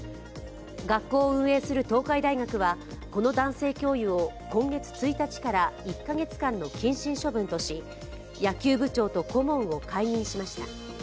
学校を運営する東海大学はこの男性教諭を今月１日から１か月間の謹慎処分とし野球部長と顧問を解任しました。